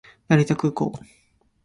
成田空港